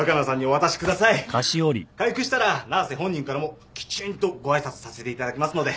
回復したら七瀬本人からもきちんとご挨拶させていただきますので。